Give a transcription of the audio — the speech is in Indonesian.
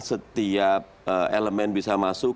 setiap elemen bisa masuk